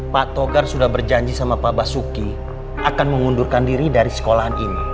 pak togar sudah berjanji sama pak basuki akan mengundurkan diri dari sekolahan ini